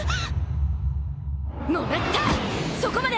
そこまで！